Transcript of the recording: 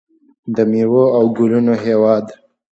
د میوو او ګلونو هیواد.